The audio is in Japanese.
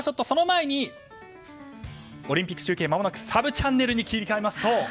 その前にオリンピック中継まもなくサブチャンネルに切り替えますと。